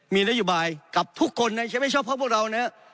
มีนัยยุบายกับทุกคนเนี่ยเขียนไม่ชอบเพราะพวกเราเนี่ย